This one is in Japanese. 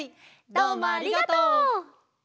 どうもありがとう！